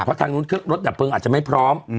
เพราะทางนู้นเครื่องรถดับเพลิงอาจจะไม่พร้อม